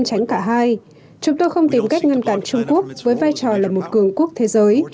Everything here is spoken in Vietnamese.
tránh cả hai chúng tôi không tìm cách ngăn cản trung quốc với vai trò là một cường quốc thế giới